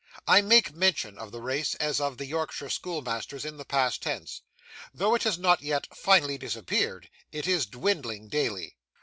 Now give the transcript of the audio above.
I make mention of the race, as of the Yorkshire schoolmasters, in the past tense. Though it has not yet finally disappeared, it is dwindling daily.